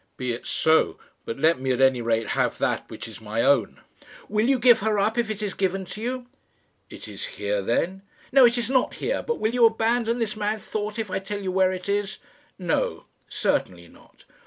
"Be it so; but let me at any rate have that which is my own." "Will you give her up if it is given to you?" "It is here then?" "No; it is not here. But will you abandon this mad thought if I tell you where it is?" "No; certainly not."